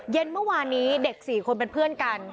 เย็นเมื่อวานนี้เด็ก๔คนเป็นเพื่อนกัน